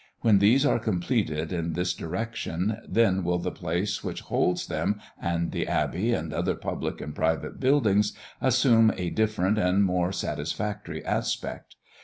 When these are completed in this direction, then will the place which holds them, and the Abbey, and other public and private buildings, assume a different and more satisfactory aspect.